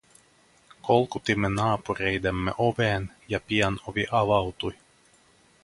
Kolkutimme naapureidemme oveen, ja pian ovi avautui.